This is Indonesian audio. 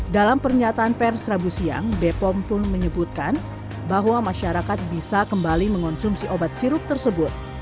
dalam pernyataan pers rabu siang bepom pun menyebutkan bahwa masyarakat bisa kembali mengonsumsi obat sirup tersebut